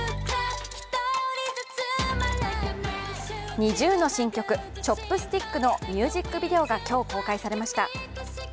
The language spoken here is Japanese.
ＮｉｚｉＵの新曲「Ｃｈｏｐｓｔｉｃｋ」のミュージックビデオが今日公開されました。